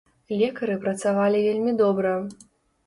Лекары працавалі вельмі добра.